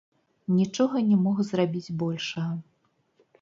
Нічога не мог зрабіць большага.